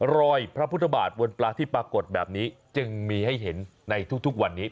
รอยพระพุทธบาทบนปลาที่ปรากฏแบบนี้จึงมีให้เห็นในทุกวันนี้